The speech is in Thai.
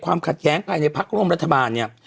ขัดแย้งภายในพักร่วมรัฐบาลเนี่ย